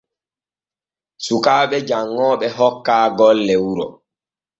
Sukaaɓe janŋooɓe hokkaa golle wuro.